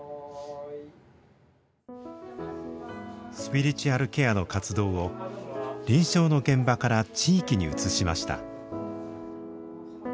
スピリチュアルケアの活動を臨床の現場から地域に移しました。